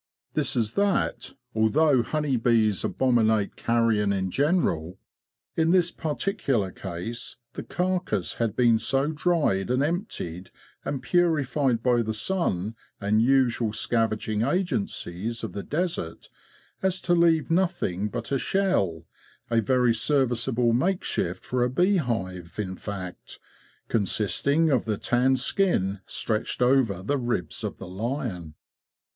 This is that, although honey bees abom inate carrion in general, in this particular case the carcase had been so dried and emptied and purified by the sun and usual scavenging agencies of the desert as to leave nothing but a shell—a very serviceable makeshift for a bee hive, in fact— consisting of the tanned skin stretched over the ribs of the fion.